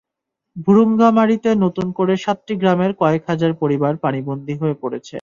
ভূরুঙ্গামারীতে নতুন করে সাতটি গ্রামের কয়েক হাজার পরিবার পানিবন্দী হয়ে পড়েছে।